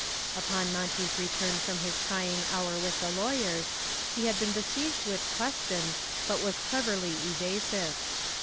Upon Monty's return from his trying hour with the lawyers, he had been besieged with questions, but he was cleverly evasive.